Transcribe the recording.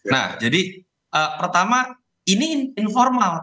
nah jadi pertama ini informal